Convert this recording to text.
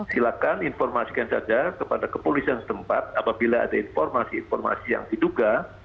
silakan informasikan saja kepada kepolisian setempat apabila ada informasi informasi yang diduga